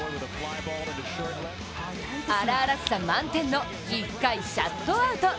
荒々しさ満点の１回シャットアウト。